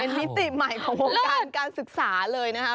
เป็นมิติใหม่ของการการศึกษาเลยนะฮะ